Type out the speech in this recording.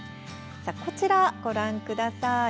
こちら、ご覧ください。